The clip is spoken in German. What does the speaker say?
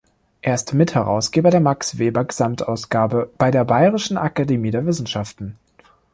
Er ist Mitherausgeber der Max-Weber-Gesamtausgabe bei der Bayerischen Akademie der Wissenschaften.